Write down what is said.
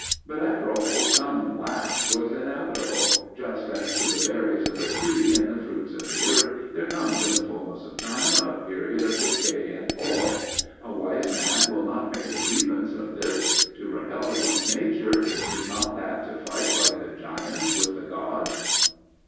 But after all some "last" was inevitable, just as to the berries of a tree and the fruits of the earth there comes in the fulness of time a period of decay and fall. A wise man will not make a grievance of this. To rebel against nature is not that to fight like the giants with the gods?